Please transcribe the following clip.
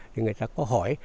thì người ta có hỏi